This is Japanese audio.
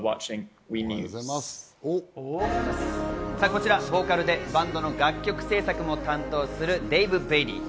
こちら、ボーカルでバンドの楽曲制作も担当するデイヴ・ベイリー。